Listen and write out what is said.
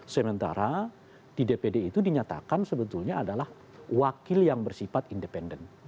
sementara di dpd itu dinyatakan sebetulnya adalah wakil yang bersifat independen